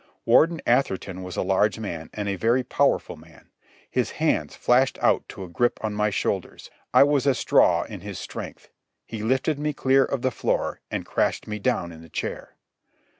Warden Atherton was a large man and a very powerful man. His hands flashed out to a grip on my shoulders. I was a straw in his strength. He lifted me clear of the floor and crashed me down in the chair.